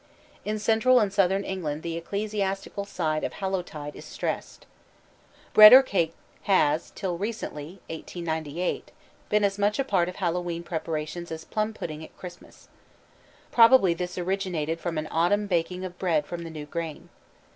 In central and southern England the ecclesiastical side of Hallowtide is stressed. Bread or cake has till recently (1898) been as much a part of Hallowe'en preparations as plum pudding at Christmas. Probably this originated from an autumn baking of bread from the new grain.